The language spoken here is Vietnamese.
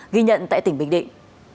ghi nhận tại tỉnh bình định